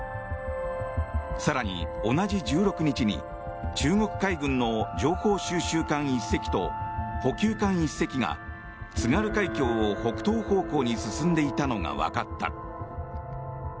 更に同じ１６日に中国海軍の情報収集艦１隻と補給艦１隻が津軽海峡を北東方向に進んでいたのが分かった。